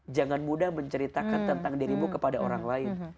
jangan mudah menceritakan tentang dirimu kepada orang lain